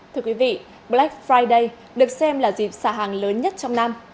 thưa quý vị black friday được xem là dịp xả hàng lớn nhất trong năm